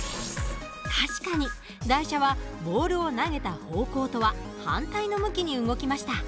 確かに台車はボールを投げた方向とは反対の向きに動きました。